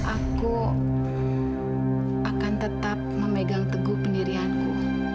aku akan tetap memegang teguh pendirianku